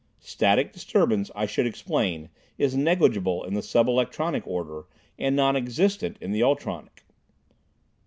Static disturbance, I should explain, is negligible in the sub electronic order, and non existent in the ultronic.